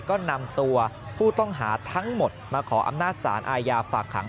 ก็นำตัวผู้ต้องหาทั้งหมดมาขออำนาจสารอาญาฝากขัง